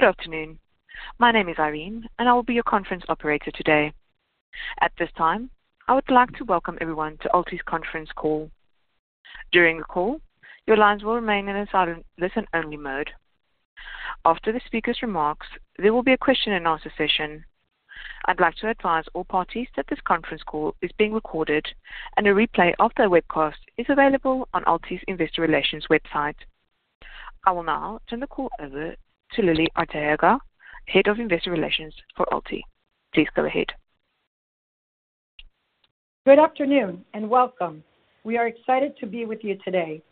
Good afternoon. My name is Irene, and I will be your conference operator today. At this time, I would like to welcome everyone to AlTi's conference call. During the call, your lines will remain in a silent listen-only mode. After the speaker's remarks, there will be a question and answer session. I'd like to advise all parties that this conference call is being recorded, and a replay of the webcast is available on AlTi's Investor Relations website. I will now turn the call over to Lily Ortega, Head of Investor Relations for AlTie. Please go ahead. Good afternoon, and welcome. We are excited to be with you today.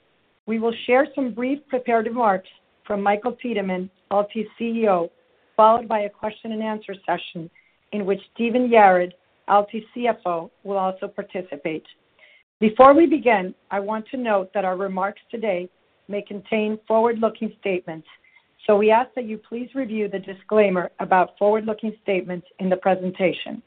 We will share some brief prepared remarks from Michael Tiedemann, AlTi 's CEO, followed by a question and answer session in which Stephen Yarad, AlTi's CFO, will also participate. Before we begin, I want to note that our remarks today may contain forward-looking statements, so we ask that you please review the disclaimer about forward-looking statements in the presentation.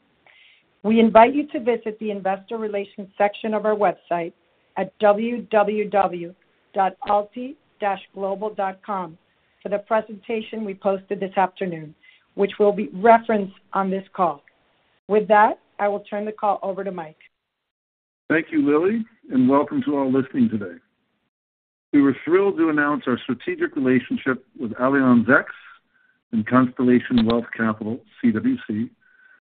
We invite you to visit the investor relations section of our website at www.alti-global.com for the presentation we posted this afternoon, which will be referenced on this call. With that, I will turn the call over to Mike. Thank you, Lily, and welcome to all listening today. We were thrilled to announce our strategic relationship with Allianz X and Constellation Wealth Capital, CWC,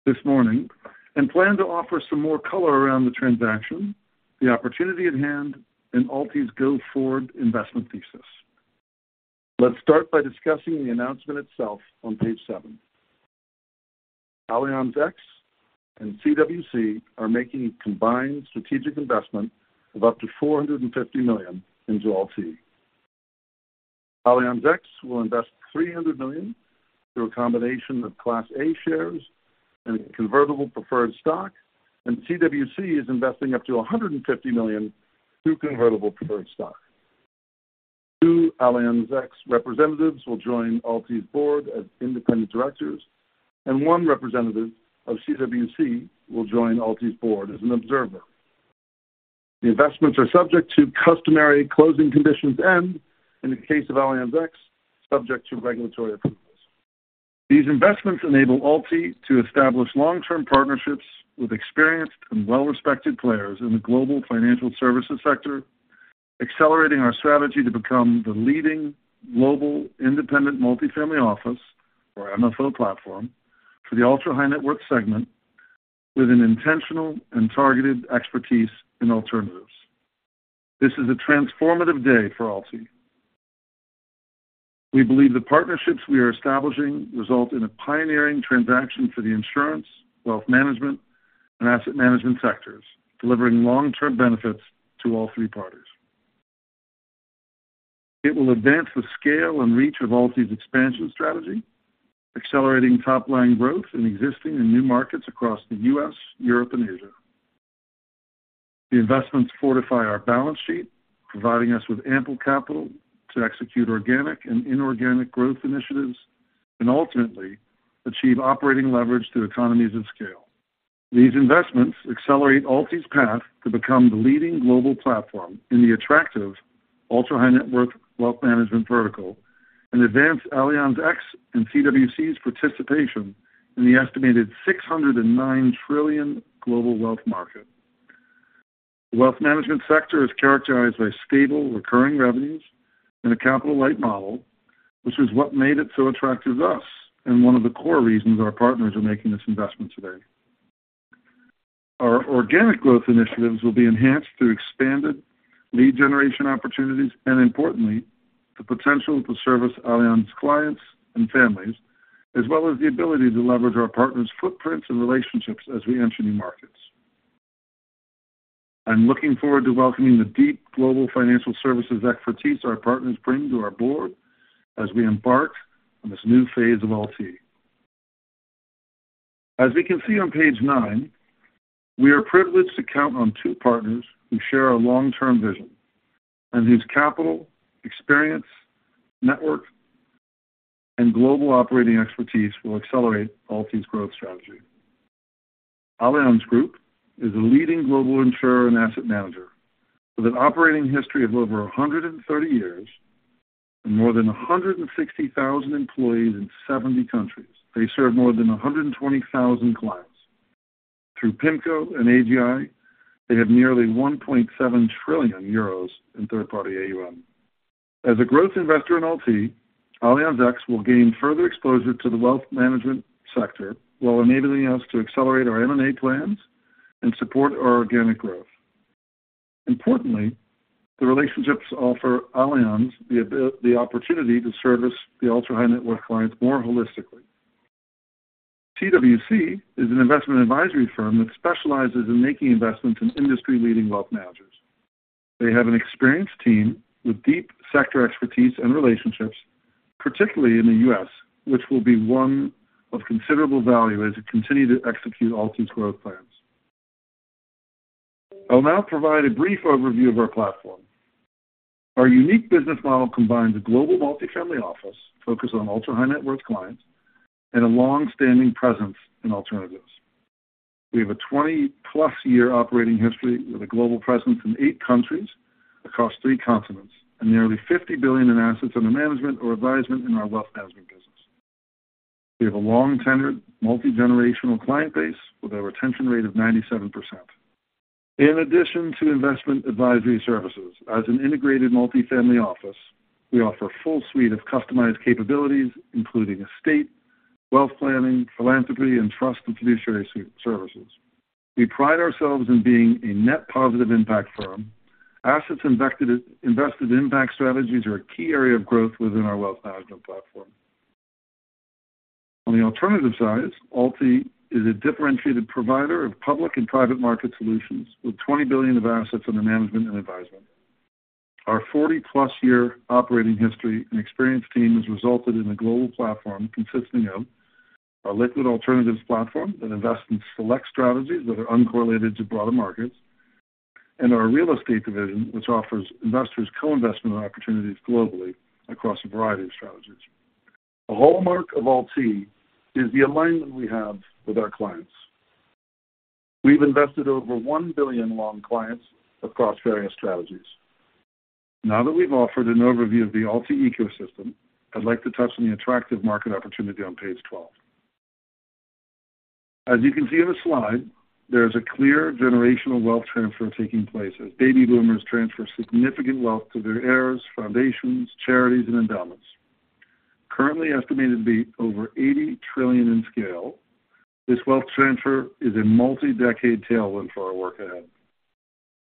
this morning, and plan to offer some more color around the transaction, the opportunity at hand, and Altie's go-forward investment thesis. Let's start by discussing the announcement itself on page seven. Allianz X and CWC are making a combined strategic investment of up to $450 million into Altie. Allianz X will invest $300 million through a combination of Class A shares and convertible preferred stock, and CWC is investing up to $150 million through convertible preferred stock. Two Allianz X representatives will join Altie's board as independent directors, and one representative of CWC will join Altie's board as an observer. The investments are subject to customary closing conditions and, in the case of Allianz X, subject to regulatory approvals. These investments enable Altie to establish long-term partnerships with experienced and well-respected players in the global financial services sector, accelerating our strategy to become the leading global independent Multifamily office, or MFO platform, for the ultra-high-net-worth segment with an intentional and targeted expertise in alternatives. This is a transformative day for Altie. We believe the partnerships we are establishing result in a pioneering transaction for the insurance, wealth management, and asset management sectors, delivering long-term benefits to all three parties. It will advance the scale and reach of Altie's expansion strategy, accelerating top-line growth in existing and new markets across the U.S., Europe, and Asia. The investments fortify our balance sheet, providing us with ample capital to execute organic and inorganic growth initiatives and ultimately achieve operating leverage through economies of scale. These investments accelerate Altie's path to become the leading global platform in the attractive ultra-high-net-worth wealth management vertical and advance Allianz X and CWC's participation in the estimated $609 trillion global wealth market. The wealth management sector is characterized by stable, recurring revenues and a capital-light model, which is what made it so attractive to us and one of the core reasons our partners are making this investment today. Our organic growth initiatives will be enhanced through expanded lead generation opportunities and, importantly, the potential to service Allianz clients and families, as well as the ability to leverage our partners' footprints and relationships as we enter new markets. I'm looking forward to welcoming the deep global financial services expertise our partners bring to our board as we embark on this new phase of Altie. As we can see on page 9, we are privileged to count on two partners who share our long-term vision and whose capital, experience, network, and global operating expertise will accelerate Altie's growth strategy. Allianz Group is a leading global insurer and asset manager with an operating history of over 130 years and more than 160,000 employees in 70 countries. They serve more than 120,000 clients. Through PIMCO and AGI, they have nearly 1.7 trillion euros in third-party AUM. As a growth investor in Altie, Allianz X will gain further exposure to the wealth management sector, while enabling us to accelerate our M&A plans and support our organic growth. Importantly, the relationships offer Allianz the opportunity to service the ultra-high-net-worth clients more holistically. CWC is an investment advisory firm that specializes in making investments in industry-leading wealth managers. They have an experienced team with deep sector expertise and relationships, particularly in the U.S., which will be one of considerable value as we continue to execute Altie's growth plans. I'll now provide a brief overview of our platform. Our unique business model combines a global multifamily office focused on ultra-high net worth clients and a long-standing presence in alternatives.... We have a 20+-year operating history with a global presence in 8 countries across 3 continents and nearly $50 billion in assets under management or advisement in our wealth management business. We have a long-tenured, multi-generational client base with a retention rate of 97%. In addition to investment advisory services, as an integrated Multifamily Office, we offer a full suite of customized capabilities, including estate, wealth planning, philanthropy, and trust and fiduciary services. We pride ourselves in being a net positive impact firm. Assets invested in impact strategies are a key area of growth within our wealth management platform. On the alternative side, Altie is a differentiated provider of public and private market solutions, with $20 billion of assets under management and advisement. Our 40-plus year operating history and experienced team has resulted in a global platform consisting of a liquid alternatives platform that invests in select strategies that are uncorrelated to broader markets, and our real estate division, which offers investors co-investment opportunities globally across a variety of strategies. A hallmark of Altie is the alignment we have with our clients. We've invested over $1 billion alongside clients across various strategies. Now that we've offered an overview of the Altie ecosystem, I'd like to touch on the attractive market opportunity on page 12. As you can see on the slide, there's a clear generational wealth transfer taking place as Baby Boomers transfer significant wealth to their heirs, foundations, charities, and endowments. Currently estimated to be over $80 trillion in scale, this wealth transfer is a multi-decade tailwind for our work ahead.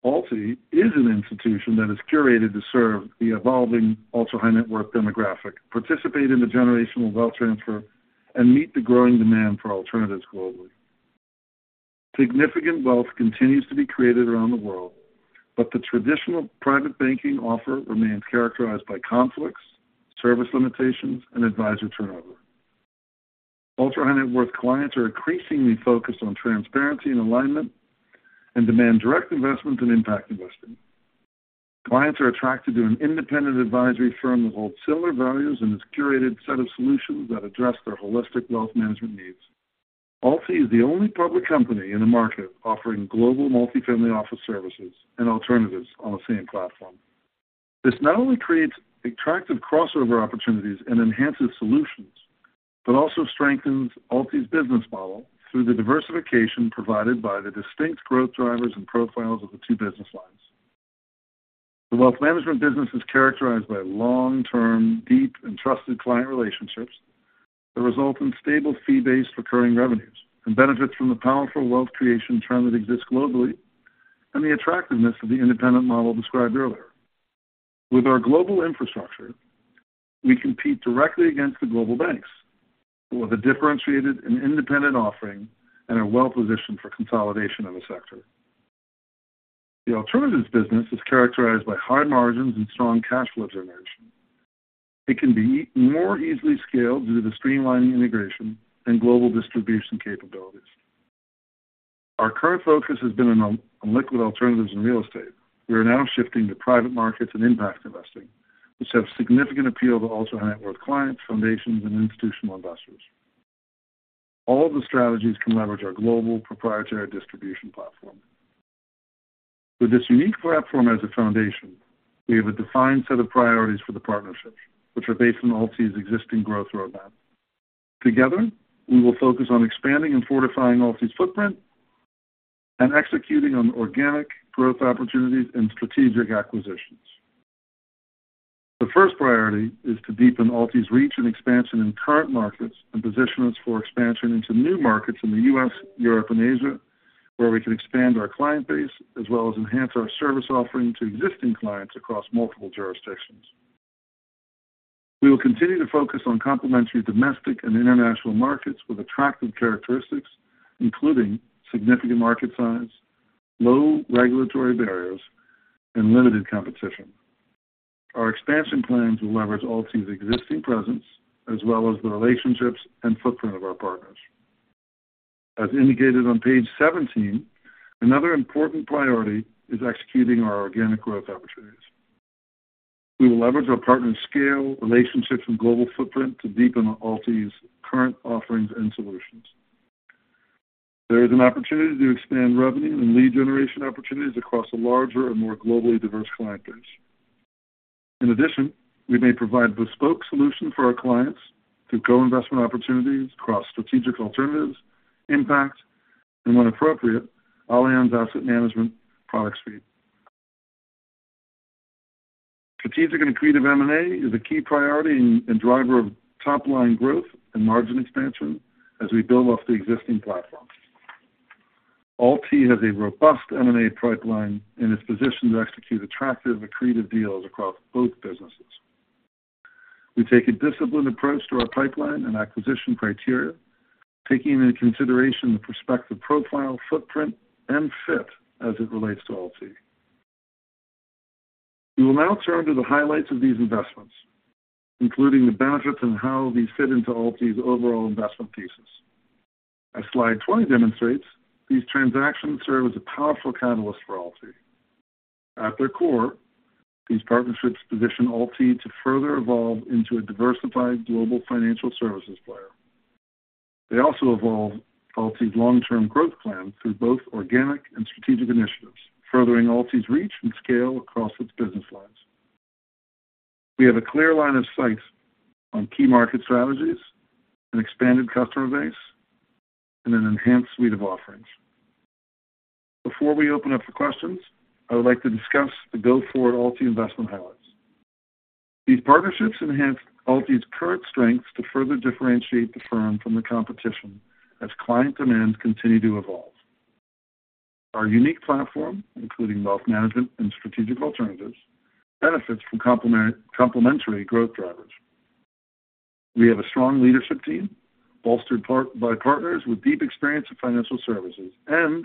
Altie is an institution that is curated to serve the evolving Ultra-High-Net-Worth demographic, participate in the generational wealth transfer, and meet the growing demand for alternatives globally. Significant wealth continues to be created around the world, but the traditional private banking offer remains characterized by conflicts, service limitations, and advisor turnover. Ultra-High-Net-Worth clients are increasingly focused on transparency and alignment and demand direct investment and impact Investing. Clients are attracted to an independent advisory firm that holds similar values and its curated set of solutions that address their holistic wealth management needs. Altie is the only public company in the market offering global multifamily office services and alternatives on the same platform. This not only creates attractive crossover opportunities and enhances solutions, but also strengthens Altie's business model through the diversification provided by the distinct growth drivers and profiles of the two business lines. The wealth management business is characterized by long-term, deep, and trusted client relationships that result in stable, fee-based, recurring revenues and benefits from the powerful wealth creation trend that exists globally, and the attractiveness of the independent model described earlier. With our global infrastructure, we compete directly against the global banks with a differentiated and independent offering, and are well positioned for consolidation of the sector. The alternatives business is characterized by high margins and strong cash flow generation. It can be more easily scaled due to the streamlining integration and global distribution capabilities. Our current focus has been on liquid alternatives and real estate. We are now shifting to private markets and impact investing, which have significant appeal to ultra-high-net-worth clients, foundations, and institutional investors. All of the strategies can leverage our global proprietary distribution platform. With this unique platform as a foundation, we have a defined set of priorities for the partnerships, which are based on Altie's existing growth roadmap. Together, we will focus on expanding and fortifying Altie's footprint and executing on organic growth opportunities and strategic acquisitions. The first priority is to deepen Altie's reach and expansion in current markets and position us for expansion into new markets in the U.S., Europe, and Asia, where we can expand our client base, as well as enhance our service offering to existing clients across multiple jurisdictions. We will continue to focus on complementary domestic and international markets with attractive characteristics, including significant market size, low regulatory barriers, and limited competition. Our expansion plans will leverage Altie's existing presence, as well as the relationships and footprint of our partners. As indicated on page 17, another important priority is executing our organic growth opportunities. We will leverage our partner's scale, relationships, and global footprint to deepen Altie's current offerings and solutions. There is an opportunity to expand revenue and lead generation opportunities across a larger and more globally diverse client base. In addition, we may provide bespoke solutions for our clients through co-investment opportunities across strategic alternatives, impact, and when appropriate, Allianz Asset Management product suite. Strategic and accretive M&A is a key priority and driver of top-line growth and margin expansion as we build off the existing platform. Altie has a robust M&A pipeline and is positioned to execute attractive, accretive deals across both businesses. We take a disciplined approach to our pipeline and acquisition criteria, taking into consideration the prospective profile, footprint, and fit as it relates to Altie. We will now turn to the highlights of these investments, including the benefits and how these fit into Altie's overall investment thesis. As slide 20 demonstrates, these transactions serve as a powerful catalyst for Altie. ...At their core, these partnerships position Altie to further evolve into a diversified global financial services player. They also evolve Altie's long-term growth plan through both organic and strategic initiatives, furthering Altie's reach and scale across its business lines. We have a clear line of sight on key market strategies, an expanded customer base, and an enhanced suite of offerings. Before we open up for questions, I would like to discuss the go-forward Altie investment highlights. These partnerships enhance Altie's current strengths to further differentiate the firm from the competition as client demands continue to evolve. Our unique platform, including wealth management and strategic alternatives, benefits from complementary growth drivers. We have a strong leadership team, bolstered in part by partners with deep experience in financial services, and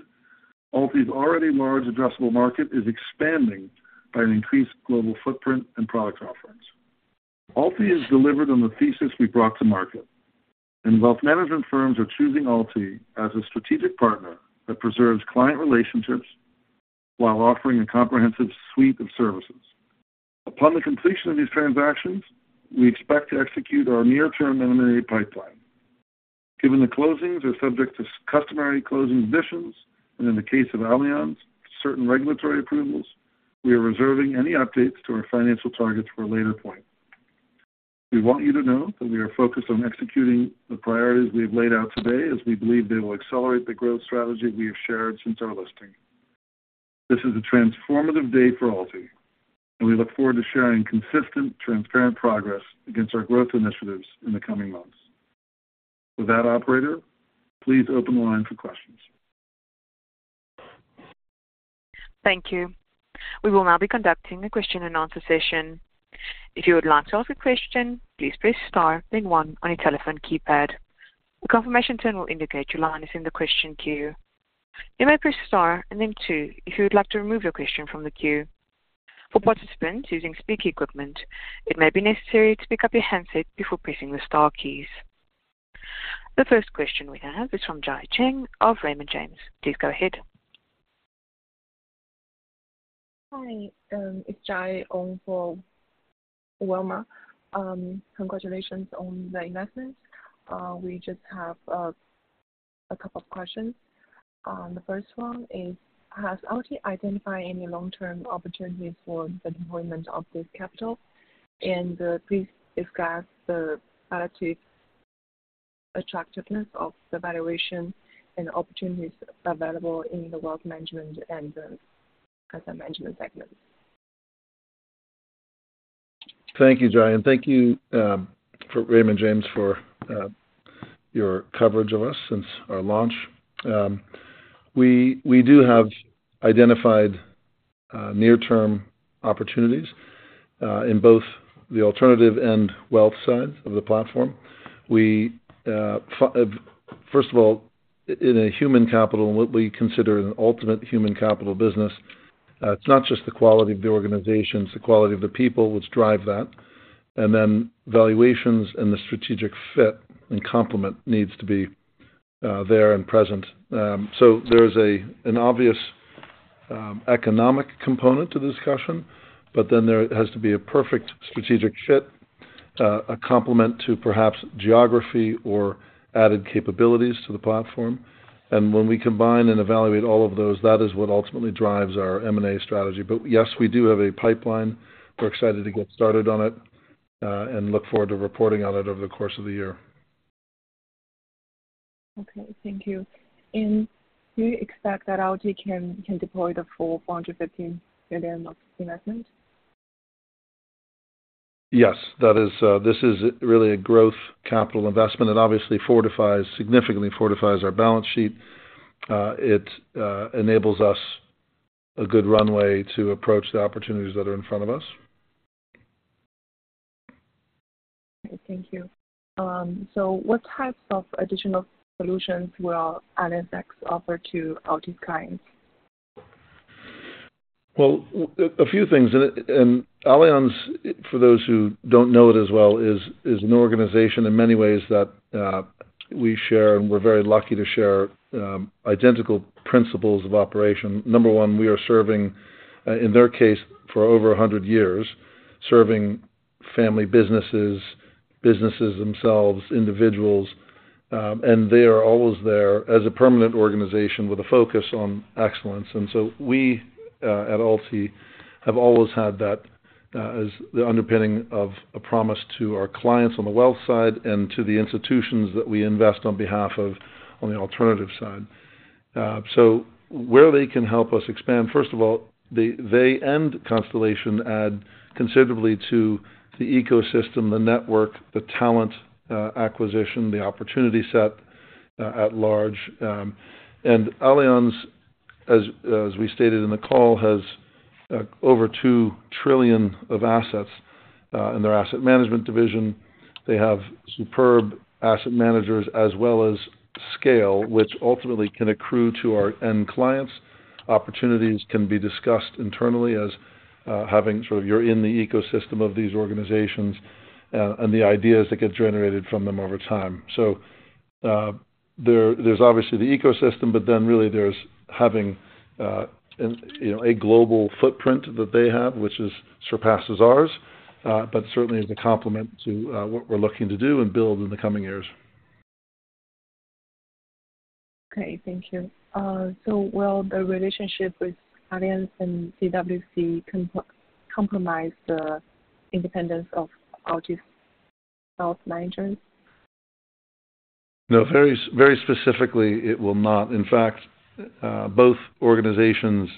Altie's already large addressable market is expanding by an increased global footprint and product offerings. Altie has delivered on the thesis we brought to market, and wealth management firms are choosing Altie as a strategic partner that preserves client relationships while offering a comprehensive suite of services. Upon the completion of these transactions, we expect to execute our near-term M&A pipeline. Given the closings are subject to customary closing conditions, and in the case of Allianz, certain regulatory approvals, we are reserving any updates to our financial targets for a later point. We want you to know that we are focused on executing the priorities we have laid out today, as we believe they will accelerate the growth strategy we have shared since our listing. This is a transformative day for Altie, and we look forward to sharing consistent, transparent progress against our growth initiatives in the coming months. With that, operator, please open the line for questions. Thank you. We will now be conducting a question and answer session. If you would like to ask a question, please press star then one on your telephone keypad. A confirmation tone will indicate your line is in the question queue. You may press star and then two if you would like to remove your question from the queue. For participants using speaker equipment, it may be necessary to pick up your handset before pressing the star keys. The first question we have is from Joy Zhang of Raymond James. Please go ahead. Hi, it's Joy on for Wilma. Congratulations on the investment. We just have a couple of questions. The first one is, has Altie identified any long-term opportunities for the deployment of this capital? And please discuss the relative attractiveness of the valuation and opportunities available in the wealth management and the asset management segment. Thank you, Joy, and thank you for Raymond James for your coverage of us since our launch. We do have identified near-term opportunities in both the alternative and wealth side of the platform. We first of all in a human capital, and what we consider an ultimate human capital business, it's not just the quality of the organizations, the quality of the people which drive that, and then valuations and the strategic fit and complement needs to be there and present. So there is an obvious economic component to the discussion, but then there has to be a perfect strategic fit, a complement to perhaps geography or added capabilities to the platform. And when we combine and evaluate all of those, that is what ultimately drives our M&A strategy. Yes, we do have a pipeline. We're excited to get started on it, and look forward to reporting on it over the course of the year. Okay, thank you. And do you expect that Altie can deploy the full $415 million of investment? Yes, that is, this is really a growth capital investment. It obviously fortifies, significantly fortifies our balance sheet. It enables us a good runway to approach the opportunities that are in front of us. Thank you. So what types of additional solutions will Allianz X offer to Altie clients? Well, a few things. And Allianz, for those who don't know it as well, is an organization in many ways that we share, and we're very lucky to share, identical principles of operation. Number one, we are serving, in their case, for over a hundred years, serving family businesses, businesses themselves, individuals, and they are always there as a permanent organization with a focus on excellence. And so we, at Altie, have always had that, as the underpinning of a promise to our clients on the wealth side and to the institutions that we invest on behalf of, on the alternative side. So where they can help us expand, first of all, they and Constellation add considerably to the ecosystem, the network, the talent, acquisition, the opportunity set, at large. And Allianz, as we stated in the call, has over 2 trillion of assets in their asset management division. They have superb asset managers as well as scale, which ultimately can accrue to our end clients. Opportunities can be discussed internally, having sort of you're in the ecosystem of these organizations, and the ideas that get generated from them over time. There's obviously the ecosystem, but then really there's having, you know, a global footprint that they have, which is surpasses ours, but certainly is a complement to what we're looking to do and build in the coming years. Okay, thank you. So will the relationship with Allianz and CWC compromise the independence of AlTi's wealth managers? No, very, very specifically, it will not. In fact, both organizations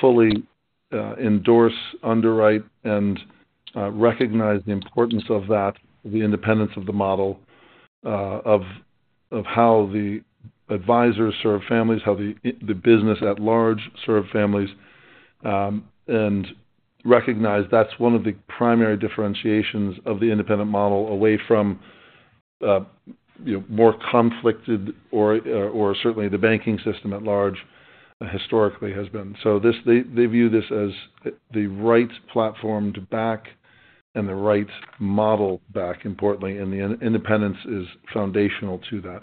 fully endorse, underwrite, and recognize the importance of that, the independence of the model, of how the advisors serve families, how the business at large serve families, and recognize that's one of the primary differentiations of the independent model away from, you know, more conflicted or certainly the banking system at large, historically has been. So this, they, they view this as the right platform to back and the right model back, importantly, and the independence is foundational to that.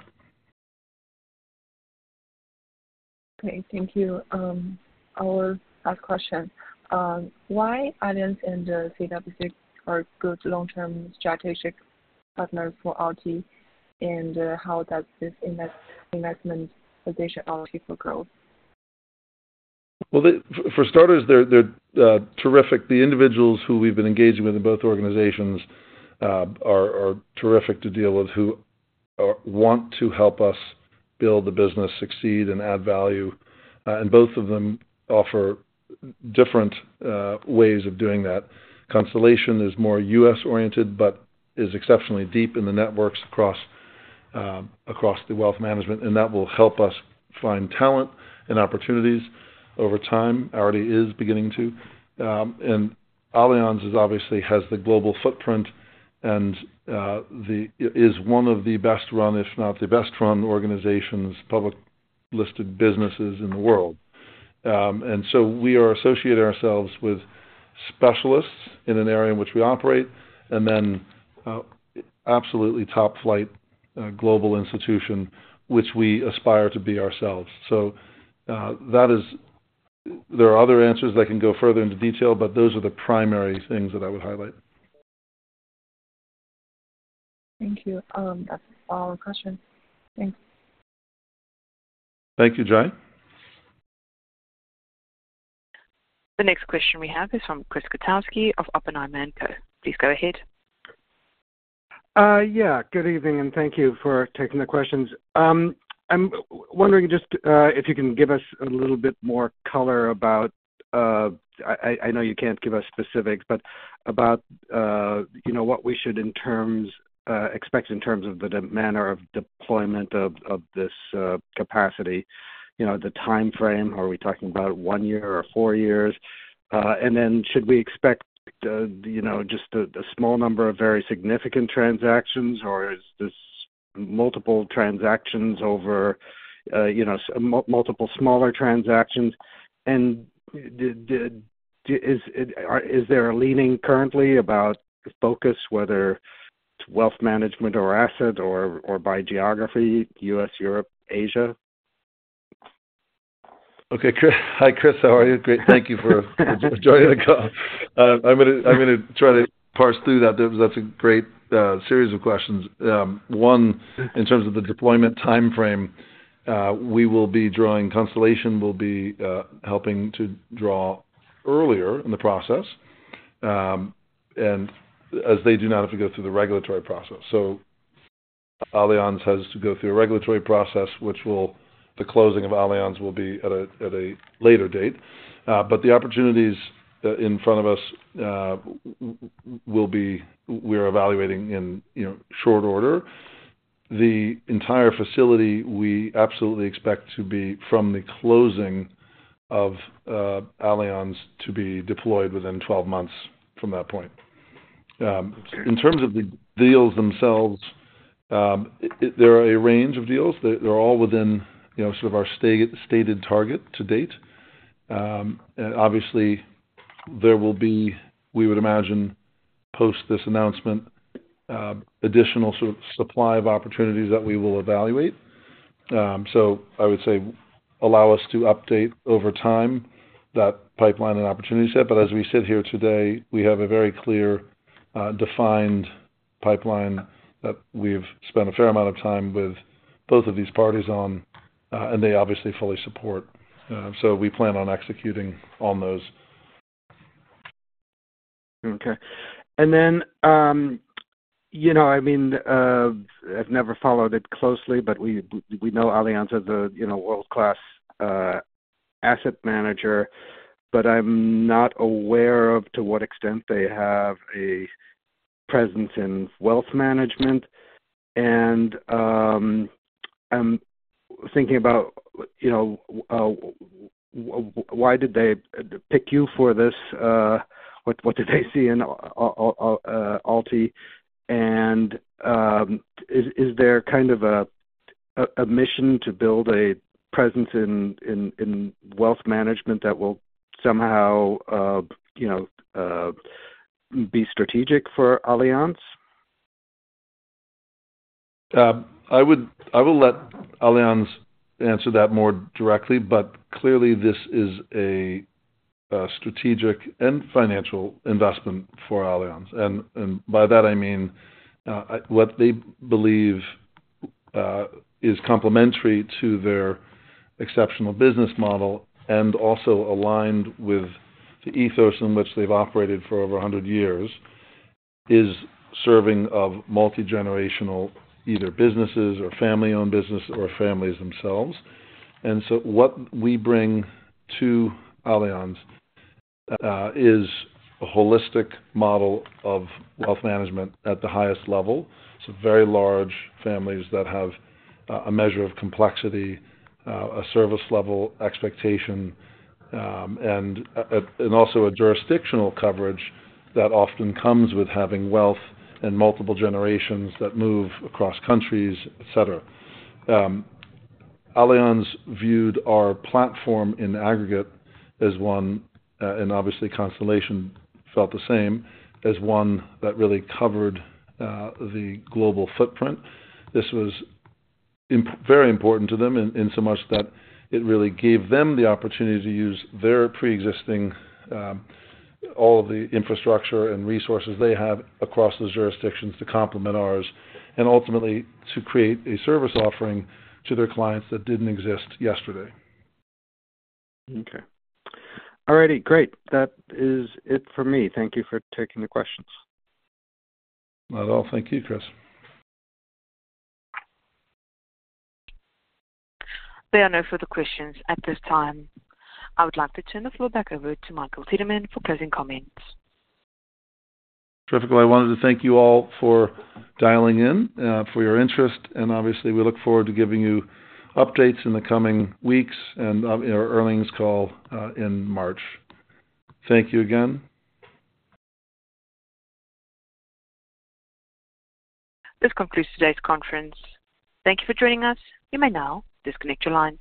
Okay, thank you. Our last question. Why Allianz and CWC are good long-term strategic partners for Altie? And how does this investment position Altie for growth? Well, for starters, they're terrific. The individuals who we've been engaging with in both organizations are terrific to deal with, who want to help us build the business, succeed and add value. And both of them offer different ways of doing that. Constellation is more US-oriented, but is exceptionally deep in the networks across the wealth management, and that will help us find talent and opportunities over time. Already is beginning to. And Allianz obviously has the global footprint and is one of the best run, if not the best run organizations, public listed businesses in the world. And so we are associating ourselves with specialists in an area in which we operate, and then absolutely top-flight global institution, which we aspire to be ourselves. So that is... There are other answers that can go further into detail, but those are the primary things that I would highlight. Thank you. That's all our questions. Thanks. Thank you, Joy. The next question we have is from Chris Kotowski of Oppenheimer & Co. Please go ahead. Yeah, good evening, and thank you for taking the questions. I'm wondering just if you can give us a little bit more color about, I know you can't give us specifics, but about, you know, what we should in terms expect in terms of the manner of deployment of this capacity, you know, the timeframe. Are we talking about one year or four years? And then should we expect, you know, just a small number of very significant transactions? Or is this multiple transactions over, you know, multiple smaller transactions? And is there a leaning currently about focus, whether it's wealth management or asset or, or by geography, U.S., Europe, Asia? Okay, Chris. Hi, Chris, how are you? Great, thank you for joining the call. I'm gonna, I'm gonna try to parse through that. That's a great series of questions. One, in terms of the deployment timeframe, we will be drawing. Constellation will be helping to draw earlier in the process, and as they do not have to go through the regulatory process. So Allianz has to go through a regulatory process, which will, the closing of Allianz will be at a later date. But the opportunities in front of us will be, we are evaluating in, you know, short order. The entire facility, we absolutely expect to be from the closing of Allianz to be deployed within 12 months from that point. In terms of the deals themselves, there are a range of deals. They're all within, you know, sort of our stated target to date. And obviously, there will be, we would imagine, post this announcement, additional sort of supply of opportunities that we will evaluate. So I would say, allow us to update over time that pipeline and opportunity set, but as we sit here today, we have a very clear, defined pipeline that we've spent a fair amount of time with both of these parties on, and they obviously fully support. So we plan on executing on those. Okay. And then, you know, I mean, I've never followed it closely, but we, we know Allianz is the, you know, world-class asset manager, but I'm not aware of to what extent they have a presence in wealth management. And, I'm thinking about, you know, why did they pick you for this? What, what did they see in Altie? And, is there kind of a mission to build a presence in wealth management that will somehow, you know, be strategic for Allianz? I will let Allianz answer that more directly, but clearly, this is a strategic and financial investment for Allianz. And by that I mean, what they believe is complementary to their exceptional business model and also aligned with the ethos in which they've operated for over a hundred years, is serving of multigenerational, either businesses or family-owned business or families themselves. And so what we bring to Allianz is a holistic model of wealth management at the highest level. So very large families that have a measure of complexity, a service level expectation, and also a jurisdictional coverage that often comes with having wealth and multiple generations that move across countries, et cetera. Allianz viewed our platform in aggregate as one, and obviously Constellation felt the same, as one that really covered the global footprint. This was very important to them in so much that it really gave them the opportunity to use their preexisting, all of the infrastructure and resources they have across the jurisdictions to complement ours, and ultimately, to create a service offering to their clients that didn't exist yesterday. Okay. All righty. Great. That is it for me. Thank you for taking the questions. Not at all. Thank you, Chris. There are no further questions at this time. I would like to turn the floor back over to Michael Tiedemann for closing comments. Terrific, I wanted to thank you all for dialing in for your interest, and obviously, we look forward to giving you updates in the coming weeks and our earnings call in March. Thank you again. This concludes today's conference. Thank you for joining us. You may now disconnect your lines.